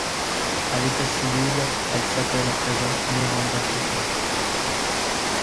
À l'état civil, elle s'appelle à présent Miranda Shelton.